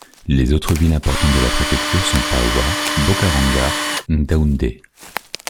Les autres villes importantes de la préfecture sont Paoua, Bocaranga, Ngaoundaye.